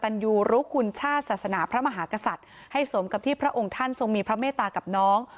ตันยูรุคุณชาติศาสนาพระมหากษัตริย์ให้สมกับที่พระองค์ท่านทรงมีพระเมตตากับน้อง